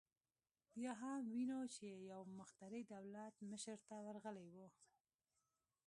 بیا هم وینو چې یو مخترع دولت مشر ته ورغلی و